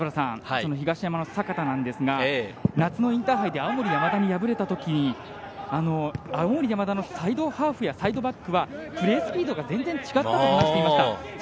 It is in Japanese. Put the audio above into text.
東山の阪田なんですが、夏のインターハイで青森山田に敗れたときに、青森山田のサイドハーフやサイドバックはプレススピードが全然違ったと話していました。